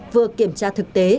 vừa kiểm tra thực tế